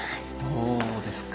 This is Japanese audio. どうですか？